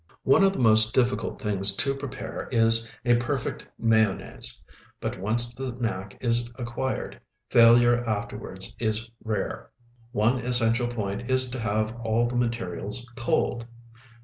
One of the most difficult things to prepare is a perfect mayonnaise, but once the knack is acquired, failure afterwards is rare. One essential point is to have all the materials cold.